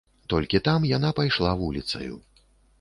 Толькі там яна пайшла вуліцаю.